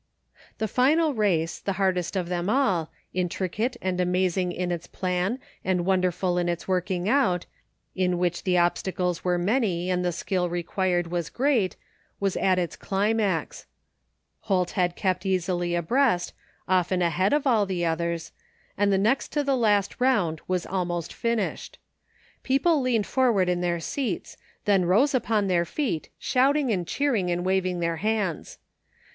The final race, the hardest of them all, intricate and amazing in its plan and wonderful in its working out, in which the obstacles were many and the skill required was great, was at its climax. Holt had kept 224 PROP^r: 1 ; OF THE NEW YORK A>eiETY LIBRARY THE FINDING OF JASPER HOLT easily abreast, often ahead of all the others, and the next to the last round was almost finished. People leaned forward in their seats, then rose upon their feet, shouting and cheering and waving their hands.